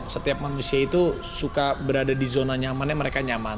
setiap manusia itu suka berada di zona nyamannya mereka nyaman